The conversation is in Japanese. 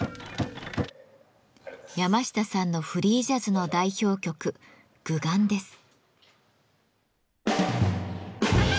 山下さんのフリージャズの代表曲「グガン」です。